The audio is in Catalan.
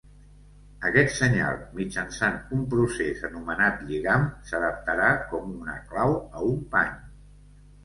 Aquest senyal, mitjançant un procés anomenat lligam, s'adaptarà com una clau a un pany.